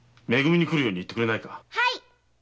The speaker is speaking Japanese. はい！